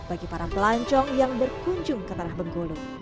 bagi para pelancong yang berkunjung ke tanah bengkulu